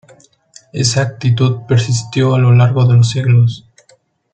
Esa actitud persistió a lo largo de los siglos.